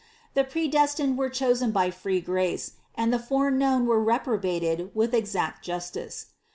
The predestined were chosen by free grace, and the fore known were reprobated with exact justice.